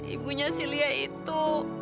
ibunya si lia itu